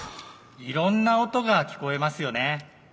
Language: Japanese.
いろんな音が聞こえますよね。